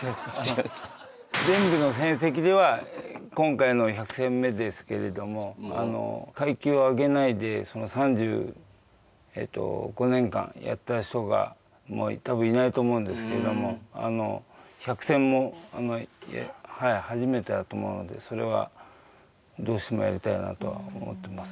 あの全部の成績では今回の１００戦目ですけれども階級を上げないでその３５年間やった人が多分いないと思うんですけれどもあの１００戦もはい初めてだと思うのでそれはどうしてもやりたいなとは思ってます